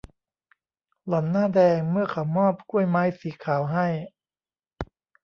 หล่อนหน้าแดงเมื่อเขามอบกล้วยไม้สีขาวให้